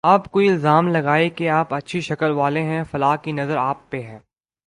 اب کوئی الزام لگائے کہ آپ اچھی شکل والے ہیں اور فلاں کی نظر آپ پہ ہے۔